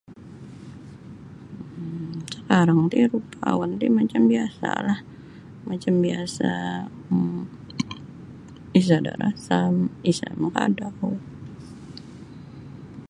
um Sakarang ti awanti macam biasalah macam biasa um isada rasam isa makadau.